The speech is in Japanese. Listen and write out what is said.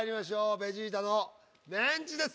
ベジータのメンチです。